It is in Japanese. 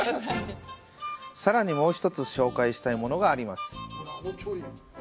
さらに、もう一つ紹介したいものがあります。